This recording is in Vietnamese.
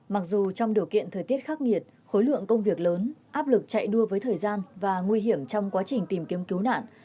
mặc dù trong điều kiện thời tiết khắc nghiệt khối lượng công việc lớn áp lực chạy đua với thời gian và nguy hiểm trong quá trình tìm kiếm cứu nạn